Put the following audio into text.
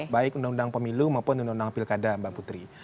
baik undang undang pemilu maupun undang undang pilkada mbak putri